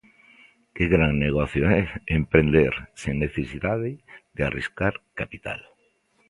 Que gran negocio é emprender sen necesidade de arriscar capital!